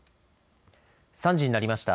３時になりました。